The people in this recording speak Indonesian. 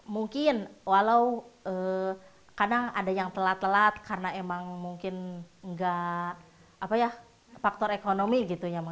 mungkin walau kadang ada yang telat telat karena emang mungkin nggak apa ya faktor ekonomi gitu ya